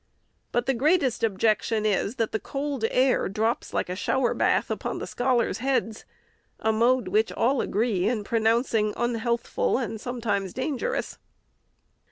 But the greatest objection is, that the cold air drops like a shower bath upon the scholars' heads :— a mode which all agree in pronouncing unhealthful, and sometimes dangerous.